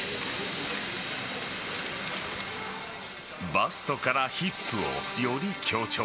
バストからヒップを、より強調。